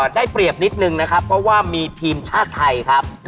ได้เปรียบนิดนึงนะครับเพราะว่ามีทีมชาติไทยครับ